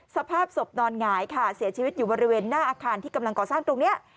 สภาพศพนอนหงายค่ะเสียชีวิตอยู่บริเวณหน้าอาคารที่กำลังก่อสร้างตรงนี้